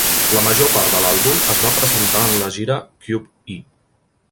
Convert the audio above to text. La major part de l'àlbum es va presentar en la gira Cube-E.